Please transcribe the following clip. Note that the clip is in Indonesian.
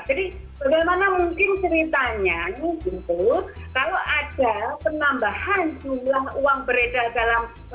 jadi bagaimana mungkin ceritanya gitu kalau ada penambahan jumlah uang beredar dalam